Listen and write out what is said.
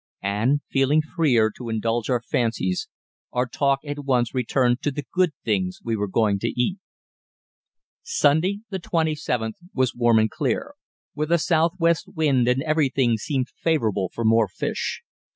And, feeling freer to indulge our fancies, our talk at once returned to the good things we were going to eat. Sunday, the 27th, was warm and clear, with a southwest wind, and everything seemed favourable for more fish.